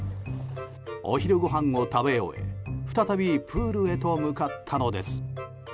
お昼ごはんを食べ終え再びプールへと向かったのです。